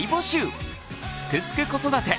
「すくすく子育て」